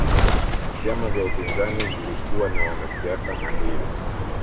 vyama vya upinzani vilikuwa na wanasiasa mahiri